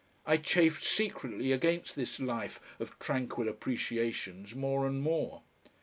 I chafed secretly against this life of tranquil appreciations more and more.